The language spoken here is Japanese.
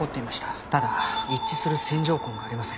ただ一致する線条痕がありません。